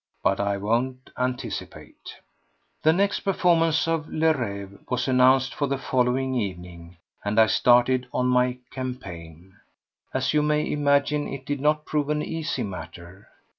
But I won't anticipate. 2. The next performance of Le Rêve was announced for the following evening, and I started on my campaign. As you may imagine, it did not prove an easy matter.